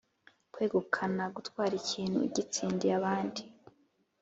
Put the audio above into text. kwegukana: gutwara ikintu ugitsindiye abandi.